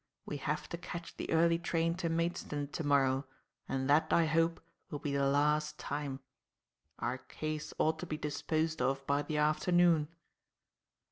We have to catch the early train to Maidstone to morrow, and that, I hope, will be the last time. Our case ought to be disposed of by the afternoon."